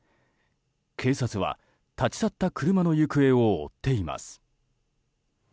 警察は立ち去った車の行方を追っています。